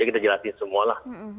kita jelasin semualah